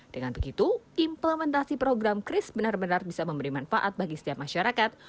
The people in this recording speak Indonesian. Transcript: dengan begitu implementasi program kris benar benar bisa memberi manfaat bagi setiap masyarakat